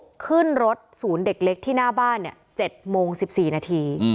ก็ขึ้นรถศูนย์เด็กเล็กที่หน้าบ้าน๗โมง๑๔นาที